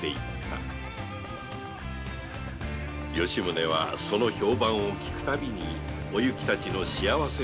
吉宗はその評判を聞くたびにおゆきたちの幸せを願わずにはいられなかった